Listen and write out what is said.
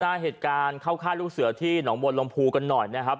หน้าเหตุการณ์เข้าฆ่าลูกเสือที่หนองบัวลมภูกันหน่อยนะครับ